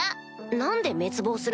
何で滅亡するんだ？